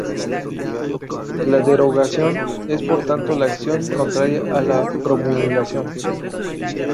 La derogación es, por tanto, la acción contraria a la promulgación.